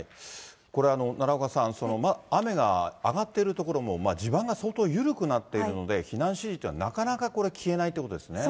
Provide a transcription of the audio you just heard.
これ、奈良岡さん、雨が上がっている所も地盤が相当緩くなっているので、避難指示というのはなかなかこれ、消えないということですね。